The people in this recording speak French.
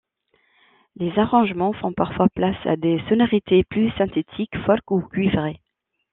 Les arrangements font parfois place à des sonorités plus synthétiques, folk ou cuivrées.